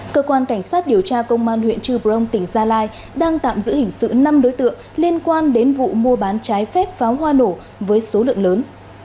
cơ quan cảnh sát điều tra công an huyện trư brông tỉnh gia lai đang tạm giữ hình sự năm đối tượng liên quan đến vụ mua bán trái phép pháo hoa nổ với số lượng lớn